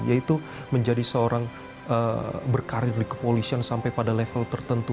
yaitu menjadi seorang berkarir di kepolisian sampai pada level tertentu